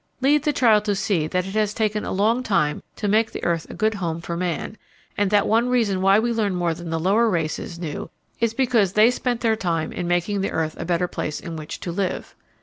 Lead the child to see that it has taken a long time to make the earth a good home for man, and that one reason why we can learn more than the lower races knew is because they spent their time in making the earth a better place in which to live.